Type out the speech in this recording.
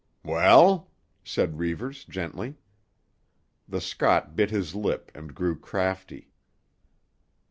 "Well?" said Reivers gently. The Scot bit his lip and grew crafty.